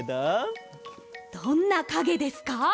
どんなかげですか？